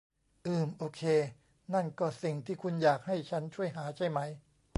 อืมโอเค นั่นก็สิ่งที่คุณอยากให้ฉันช่วยหาใช่ไหม